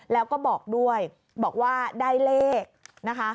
แล้วก็บอกด้วยบอกว่าได้เลขนะคะ